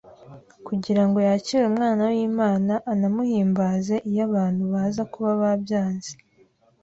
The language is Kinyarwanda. kugira ngo yakire Umwana w'Imana anamuhimbaza iyo abantu baza kuba babyanze